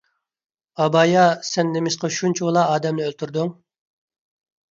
ئابايا سەن نېمىشقا شۇنچىۋالا ئادەمنى ئۆلتۈردۈڭ؟